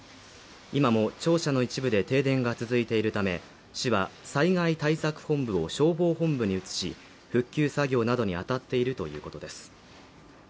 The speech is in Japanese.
今も庁舎の一部で停電が続いているため市は災害対策本部を消防本部に移し復旧作業などにあたっているということです